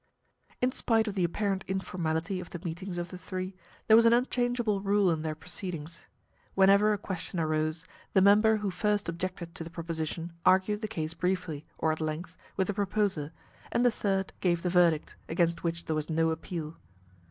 In spite of the apparent informality of the meetings of the three, there was an unchangeable rule in their proceedings. Whenever a question arose, the member who first objected to the proposition argued the case briefly, or at length, with the proposer, and the third gave the verdict, against which there was no appeal.